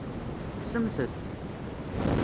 Kksemt-t.